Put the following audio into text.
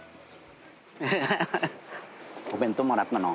アハハお弁当もらったの？